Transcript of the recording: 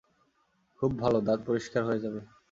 খুব ভালো, দাঁত পরিষ্কার হয়ে যাবে।